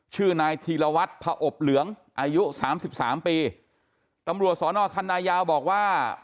ชื่อนายธีรวรรษพระอบเหลืองอายุ๓๓ปีตำรวจศนคันนายาวบอกว่า